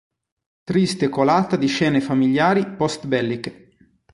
Triste colata di scene familiari post-belliche.